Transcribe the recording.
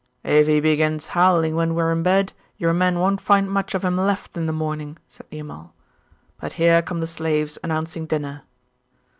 'If he begins howling when we are in bed, your men won't find much of him left in the morning,' said the Amal. 'But here come the slaves, announcing dinner.